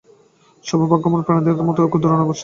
সব ভাগ্যবান প্রাণীই আমাদের মতো ক্ষুদ্র নয়, বুঝলে?